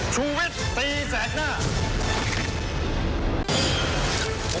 ชูวิทย์ตีแสกหน้า